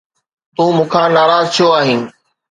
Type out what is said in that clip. تون مون کان ناراض ڇو آهين؟